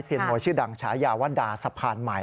เซียนมวยชื่อดังชายาวดาสะพานหมาย